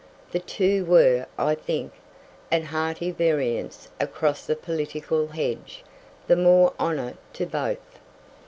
The two were, I think, at hearty variance across the political hedge; the more honour to both.